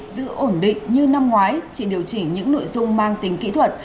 giữ ổn định như năm ngoái chỉ điều chỉnh những nội dung mang tính kỹ thuật